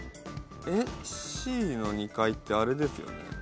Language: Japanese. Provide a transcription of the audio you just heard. えっＣの２階ってあれですよね。